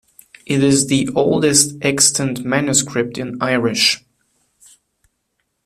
It is the oldest extant manuscript in Irish.